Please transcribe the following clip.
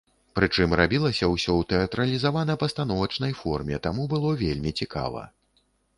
Прычым, рабілася ўсё ў тэатралізавана-пастановачнай форме, таму было вельмі цікава.